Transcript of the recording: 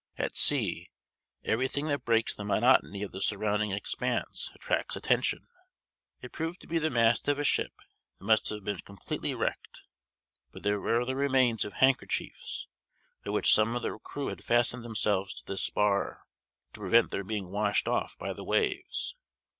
At sea, every thing that breaks the monotony of the surrounding expanse attracts attention. It proved to be the mast of a ship that must have been completely wrecked; for there were the remains of handkerchiefs, by which some of the crew had fastened themselves to this spar, to prevent their being washed off by the waves.